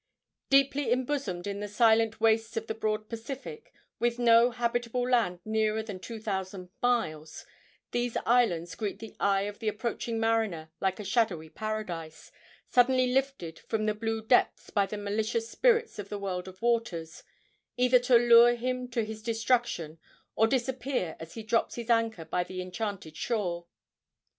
Deeply embosomed in the silent wastes of the broad Pacific, with no habitable land nearer than two thousand miles, these islands greet the eye of the approaching mariner like a shadowy paradise, suddenly lifted from the blue depths by the malicious spirits of the world of waters, either to lure him to his destruction or disappear as he drops his anchor by the enchanted shore.